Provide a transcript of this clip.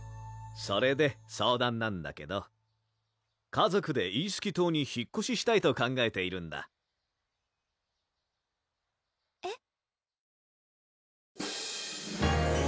それで相談なんだけど家族でイースキ島に引っこししたいと考えているんだえっ？